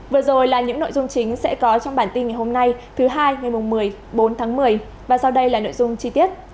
vừa rồi là những nội dung chính sẽ có trong bản tin ngày hôm nay thứ hai ngày một mươi bốn tháng một mươi và sau đây là nội dung chi tiết